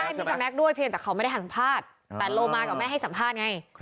มิกกับแก๊กด้วยเพียงแต่เขาไม่ได้ให้สัมภาษณ์แต่โลมากับแม่ให้สัมภาษณ์ไง